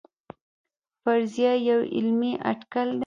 فرضیه یو علمي اټکل دی